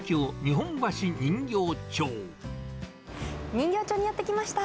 人形町にやって来ました。